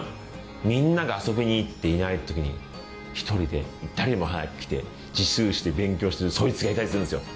みんなが遊びに行っていないときに一人で誰よりも早く来て自習室で勉強しているそいつがいたりするんですよ。